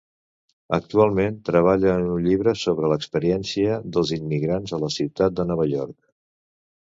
Actualment treballa en un llibre sobre l'experiència dels immigrants a la ciutat de Nova York.